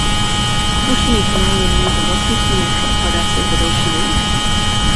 Opuštěný tunel je nyní ve vlastnictví města a hledá se jeho další využití.